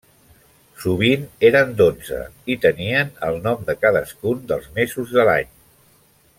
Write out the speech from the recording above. Sovint eren dotze i tenien el nom de cadascun dels mesos de l'any.